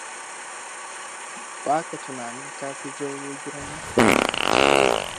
Ba ka tunanin ka fi Jauroa girma?